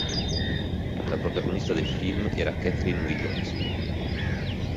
La protagonista del film era Kathlyn Williams.